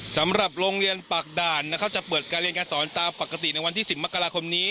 สำหรับโรงเรียนปากด่านนะครับจะเปิดการเรียนการสอนตามปกติในวันที่๑๐มกราคมนี้